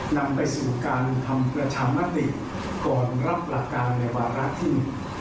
นำไปสู่การทำประชามติก่อนรับหลักการในวาระที่หนึ่ง